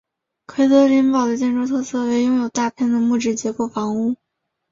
奎德林堡的建筑特色为拥有大片的木质结构房屋。